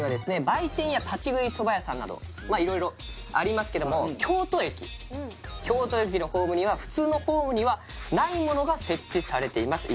売店や立ち食いそば屋さんなど色々ありますけども京都駅京都駅のホームには普通のホームにはないものが設置されています